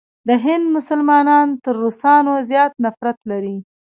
د هند مسلمانان تر روسانو زیات نفرت لري.